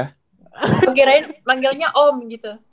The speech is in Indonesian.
kira kira manggilnya om gitu